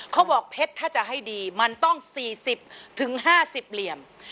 เพชรถ้าจะให้ดีมันต้อง๔๐๕๐เหลี่ยม